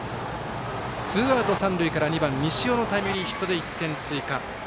ツーアウト、三塁から２番、西尾のタイムリーヒットで１点追加。